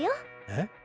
えっ？